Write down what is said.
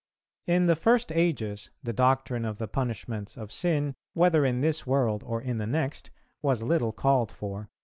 In the first ages, the doctrine of the punishments of sin, whether in this world or in the next, was little called for.